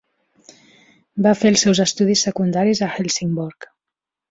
Va fer els seus estudis secundaris a Helsingborg.